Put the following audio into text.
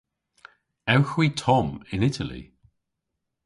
Ewgh hwi tomm yn Itali?